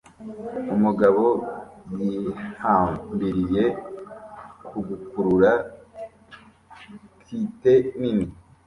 Umugabo yihambiriye gukurura kite nini